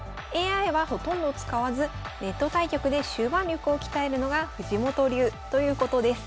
ＡＩはほとんど使わずネット対局で終盤力を鍛えるのが藤本流ということです。